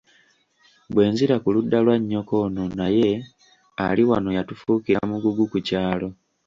Bwe nzira ku ludda lwa nnyoko ono naye ali wano yatufuukira mugugu ku kyalo.